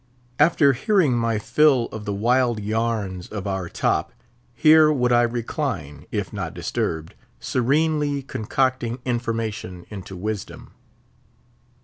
After hearing my fill of the wild yarns of our top, here would I recline—if not disturbed—serenely concocting information into wisdom.